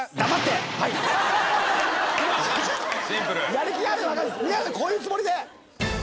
やる気があるのはわかる皆さんこういうつもりで！